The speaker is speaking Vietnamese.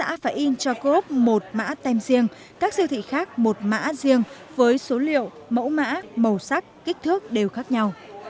các hợp tác xã phải in cho group một mã tem riêng các siêu thị khác một mã riêng với số liệu mẫu mã màu sắc kích thước đều khác nhau